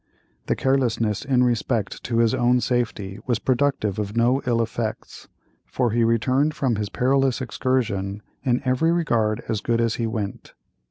The carelessness, in respect to his own safety, was productive of no ill effects, for he returned from this perilous excursion in every regard as good as he went.